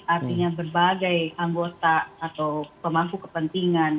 artinya berbagai anggota atau pemangku kepentingan